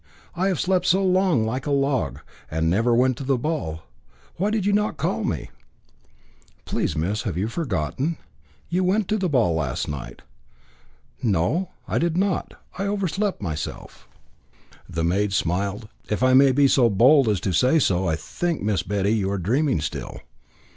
I have slept so long and like a log, and never went to the ball. Why did you not call me?" "Please, miss, you have forgotten. You went to the ball last night." "No; I did not. I overslept myself." The maid smiled. "If I may be so bold as to say so, I think, Miss Betty, you are dreaming still."